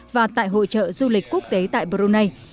và tại hội trợ du lịch quốc tế tại brunei